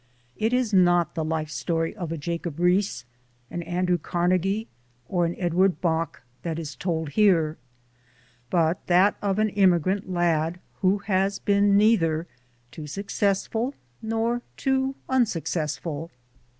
It is not the life story of a Jacob Riis, an Andrew Carnegie or an Edward Bok that is told here, but that of an immigrant lad who has been neither too successful nor too unsuccessful.